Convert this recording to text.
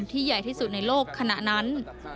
ใหญ่ที่สุดในโลกขณะนั้น